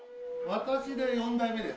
私で４代目です。